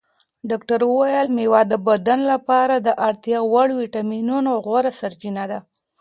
ډاکتر وویل مېوه د بدن لپاره د اړتیا وړ ویټامینونو غوره سرچینه ده.